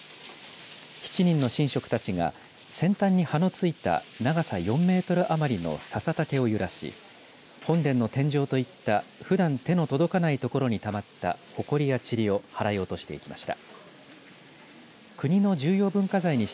７人の神職たちが先端に葉の付いた長さ４メートル余りのささ竹を揺らし本殿の天井といったふだん手の届かない所にたまったほこりや、ちりを払い落としていきました。